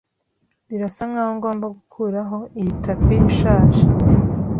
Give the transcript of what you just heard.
Birasa nkaho ngomba gukuraho iyi tapi ishaje